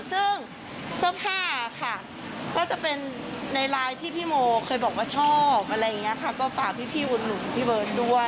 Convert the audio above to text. ซึ่งเสื้อผ้าค่ะก็จะเป็นในล๊ายที่พี่โมเคยบอกว่าชอบส่วนข้าก็ฝากพี่วุฒรุนพี่เบิร์นด้วย